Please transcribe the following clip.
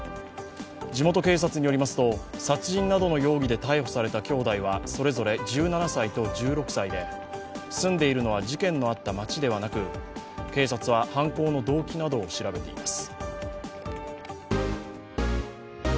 地元警察によりますと、殺人などの容疑で逮捕された兄弟はそれぞれ１７歳と１６歳で住んでいるのは事件のあった街ではなく、警察は、犯行の動機などを調べています。